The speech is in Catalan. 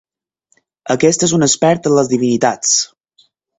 Aquest és un expert en les divinitats.